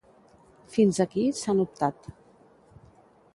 Fins aquí sant Optat.